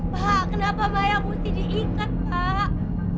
pak kenapa mayang mesti diikat pak